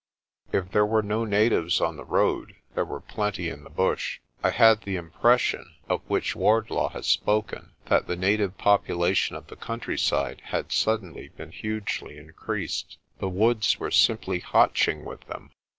If there were no natives on the road, there were plenty in the bush. I had the impression, of which Wardlaw had spoken, that the native population of the countryside had suddenly been hugely increased. The woods were simply hatching with them.